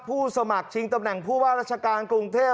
ผู้สมัครชิงตำแหน่งผู้ว่าราชการกรุงเทพ